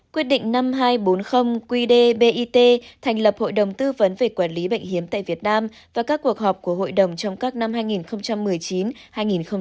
quyết định năm nghìn hai trăm bốn mươi qd bit thành lập hội đồng tư vấn về quản lý bệnh hiếm tại việt nam và các cuộc họp của hội đồng trong các năm hai nghìn một mươi chín hai nghìn hai mươi